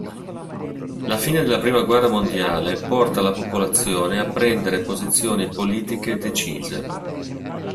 La fine della prima guerra mondiale porta la popolazione a prendere posizioni politiche decise.